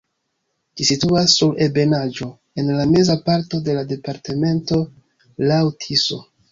Ĝi situas sur ebenaĵo en la meza parto de la departemento laŭ Tiso.